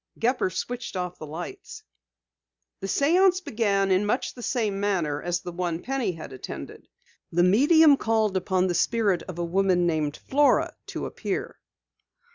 Gepper switched off the lights. The séance began in much the same manner as the one Penny had attended. The medium called upon the spirit of a woman named Flora to appear.